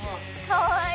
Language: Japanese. かわいい！